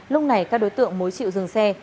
lúc này các đối tượng mối chịu dừng xe